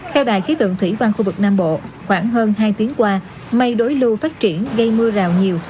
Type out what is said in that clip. theo đài khí tượng thủy văn khu vực nam bộ khoảng hơn hai tiếng qua mây đối lưu phát triển gây mưa rào nhiều